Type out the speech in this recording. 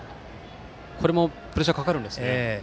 これもプレッシャーかかるんですか。